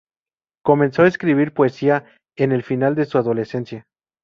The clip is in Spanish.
Comenzó a escribir poesía en el final de su adolescencia.